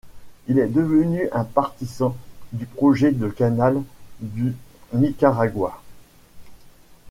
Il est devenu un partisan du Projet de canal du Nicaragua.